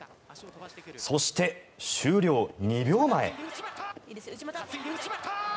そして、終了２秒前。